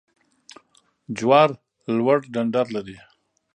جوار لوړ ډنډر لري